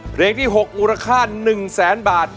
เพลงที่๖มูลค่า๑แสนบาท